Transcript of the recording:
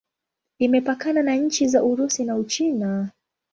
Imepakana na nchi za Urusi na Uchina.